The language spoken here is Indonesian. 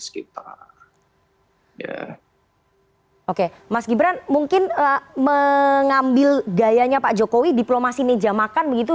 sekitar oke mas gibran mungkin mengambil gayanya pak jokowi diplomasi meja makan begitu